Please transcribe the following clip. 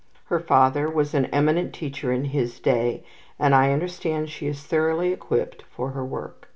Her father was an eminent teacher in his day, and I understand she is thoroughly equipped for her work.